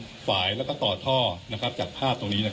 คุณผู้ชมไปฟังผู้ว่ารัฐกาลจังหวัดเชียงรายแถลงตอนนี้ค่ะ